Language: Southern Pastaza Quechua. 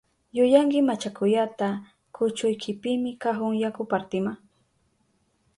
¡Yuyanki machakuyata kuchuykipimi kahun yaku partima!